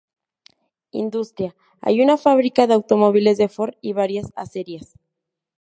Industria: hay una fábrica de automóviles de Ford y varias acerías.